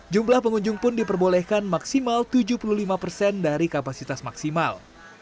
jumlah pengunjung pun diperbolehkan maksimal tujuh puluh lima dari kapasitas maksimal